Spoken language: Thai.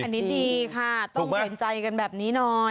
อันนี้ดีค่ะต้องเห็นใจกันแบบนี้หน่อย